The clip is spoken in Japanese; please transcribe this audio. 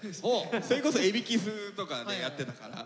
それこそエビキスとかでやってたから。